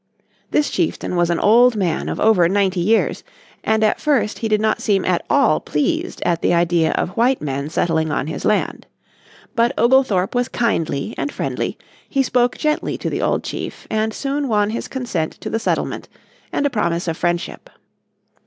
This chieftain was an old man of over ninety years, and at first he did not seem at all pleased at the idea of white men settling on his land. But Oglethorpe was kindly and friendly, he spoke gently to the old chief, and soon won his consent to the settlement, and a promise of friendship.